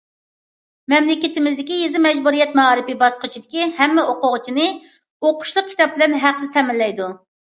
مەملىكىتىمىزدىكى يېزا مەجبۇرىيەت مائارىپى باسقۇچىدىكى ھەممە ئوقۇغۇچىنى ئوقۇشلۇق كىتاب بىلەن ھەقسىز تەمىنلەيدۇ.